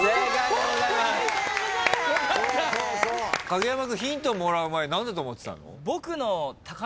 影山君ヒントもらう前何だと思ってたの？